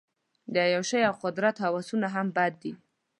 د عیاشۍ او قدرت هوسونه هم بد دي.